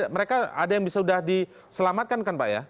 mereka ada yang bisa sudah diselamatkan kan pak ya